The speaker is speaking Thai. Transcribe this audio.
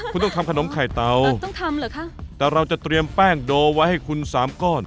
คุณต้องทำขนมไข่เตาต้องทำเหรอคะแต่เราจะเตรียมแป้งโดไว้ให้คุณสามก้อน